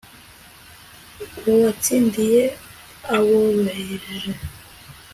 uwatsindiye aboroheje